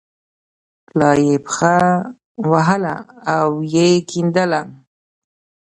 لا یې پښه وهله او یې کیندله.